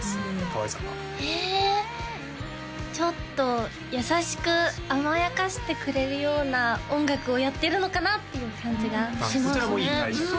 カワイさんは？えちょっと優しく甘やかしてくれるような音楽をやってるのかなっていう感じがしますねああ